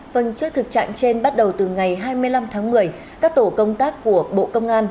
phần trước thực trạng trên bắt đầu từ ngày hai mươi năm tháng một mươi các tổ công tác của bộ công an